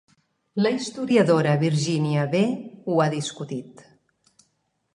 La historiadora Virginia B ho ha discutit.